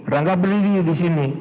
rangga berdiri disini